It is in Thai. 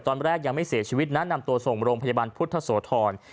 ตอนแรกยังไม่เสียชีวิตนะนำตัวส่งโรงพยาบาลพุทธโสธร